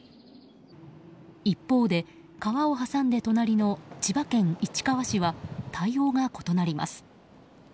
一方で、川を挟んで隣の千葉県市川市は対応が異なります。